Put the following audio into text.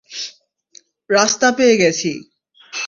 রাস্তা পেয়ে গেছি।